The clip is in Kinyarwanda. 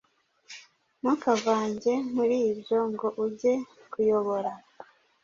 Ntukavange muri ibyo_ ngo ujye kuyobora